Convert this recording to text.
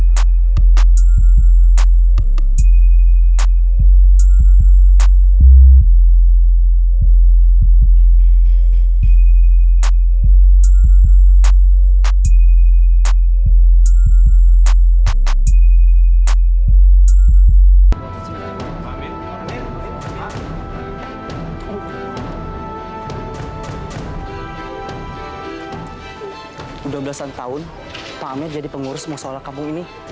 saya tahu pak amir jadi pengurus masalah kampung ini